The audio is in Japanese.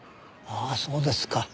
ああそうですか。